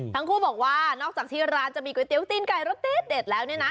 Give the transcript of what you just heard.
ทั้งคู่บอกว่านอกจากที่ร้านจะมีก๋วยเตี๋ตีนไก่รสเด็ดแล้วเนี่ยนะ